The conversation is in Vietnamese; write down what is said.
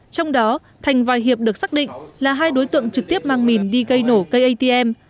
trong đó thành và hiệp được xác định là hai đối tượng trực tiếp mang mìn đi gây nổ cây atm